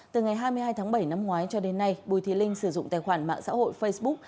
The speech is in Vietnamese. từ ngày hai mươi hai tháng bảy năm ngoái cho đến nay bùi thị linh sử dụng tài khoản mạng xã hội facebook